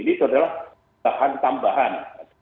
ini adalah bahan tambahan